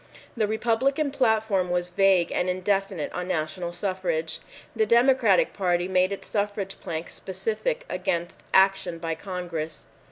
The Republican platform was vague and indefinite on national suffrage. The Democratic Party made its suffrage plank specific against action by Congress.